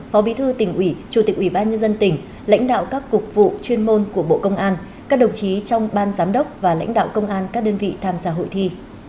phó bí thư tỉnh ủy chủ tịch ủy ban nhân dân tỉnh lãnh đạo các cục vụ chuyên môn của bộ công an các đồng chí trong ban giám đốc và lãnh đạo công an các đơn vị tham gia hội thi